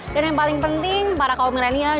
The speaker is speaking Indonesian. dan yang paling penting para kaum milenial